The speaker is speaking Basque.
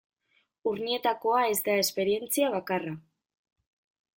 Urnietakoa ez da esperientzia bakarra.